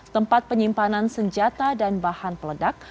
tempat penyimpanan senjata dan bahan peledak